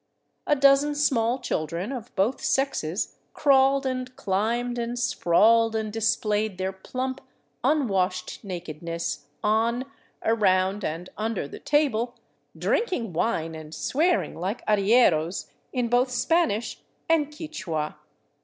A dozen small children of both sexes crawled and climbed and sprawled and displayed their plump, unwashed nakedness on, around, and under the table, drinking wine and swearing like arrieros in both Spanish and Quichua.